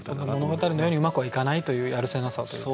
物語のようにはうまくはいかないというやるせなさというか。